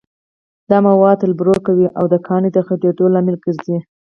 دا مواد تبلور کوي او د کاڼي د غټېدو لامل ګرځي.